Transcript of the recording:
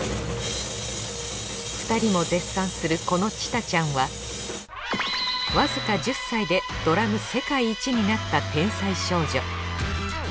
２人も絶賛するこのＣＨＩＴＡＡちゃんはわずか１０歳でドラム世界一になった天才少女。